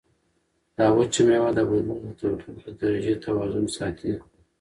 دا وچه مېوه د بدن د تودوخې د درجې توازن ساتي.